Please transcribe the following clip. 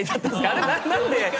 あれ何で？